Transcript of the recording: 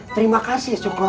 terima kasih sukron